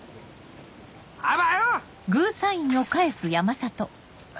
あばよ！